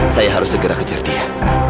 saya harus segera kejar dia